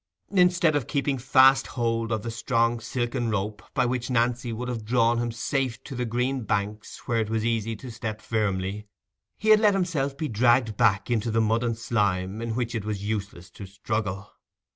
Instead of keeping fast hold of the strong silken rope by which Nancy would have drawn him safe to the green banks where it was easy to step firmly, he had let himself be dragged back into mud and slime, in which it was useless to struggle.